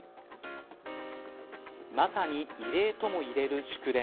まさに異例ともいえる祝電。